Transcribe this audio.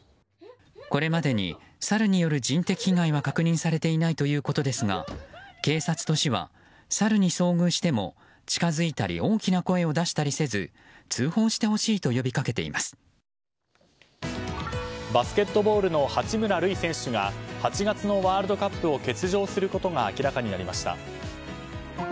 これまでにサルによる人的被害は確認されていないということですが警察と市は、サルに遭遇しても近づいたり大きな声を出したりせず通報してほしいとバスケットボールの八村塁選手が８月のワールドカップを欠場することが明らかになりました。